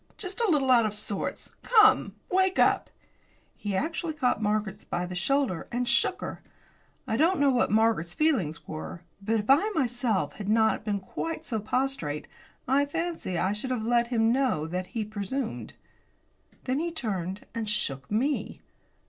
Just a little out of sorts. Come, wake up!" He actually caught Margaret by the shoulder and shook her. I don't know what Margaret's feelings were, but if I myself had not been quite so prostrate, I fancy that I should have let him know that he presumed. Then he turned and shook me.